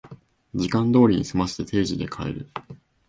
時間通りに済ませて定時で帰る